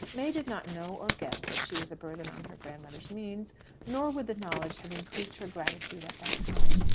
May did not know or guess that she was a burthen on her grand mother's means, nor would the knowledge have increased her gratitude at that time.